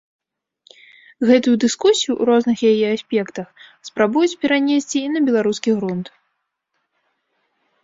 Гэтую дыскусію, у розных яе аспектах, спрабуюць перанесці і на беларускі грунт.